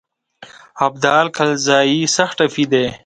ابدال کلزايي سخت ټپي دی.